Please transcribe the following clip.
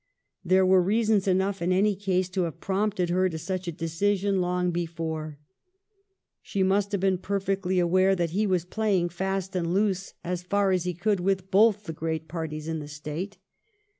There were reasons enough in any case to have prompted her to such a decision long before. She must have been perfectly aware that he was playing fast and loose. 348 THE REIGN OF QUEEN ANNE. ch. xxxth, SO far as he could, with both the great parties in the State.